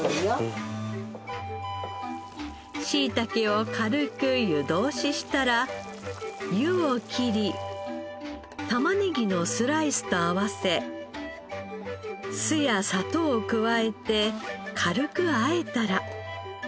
しいたけを軽く湯通ししたら湯を切りタマネギのスライスと合わせ酢や砂糖を加えて軽くあえたら。